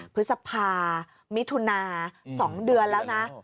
พฤษภามิถุนา๒เดือนแล้วนะ